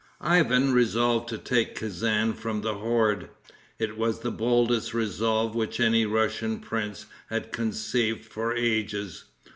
Ivan resolved to take Kezan from the horde. It was the boldest resolve which any Russian prince had conceived for ages.